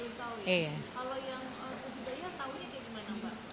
kalau yang selisih biaya tahunya kayak gimana